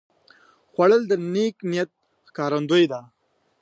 خوړل د نیک نیت ښکارندویي ده